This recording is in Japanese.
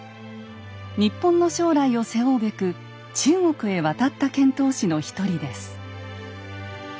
日本の将来を背負うべく中国へ渡った遣唐使の一人です。